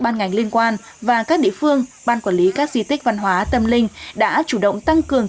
ban ngành liên quan và các địa phương ban quản lý các di tích văn hóa tâm linh đã chủ động tăng cường